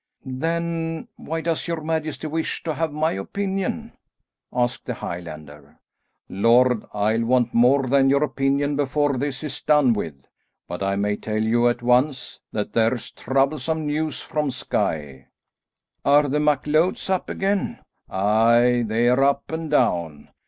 "Then why does your majesty wish to have my opinion?" asked the Highlander. "Lord, I'll want more than your opinion before this is done with, but I may tell you at once that there's troublesome news from Skye." "Are the MacLeods up again?" "Aye, they're up and down.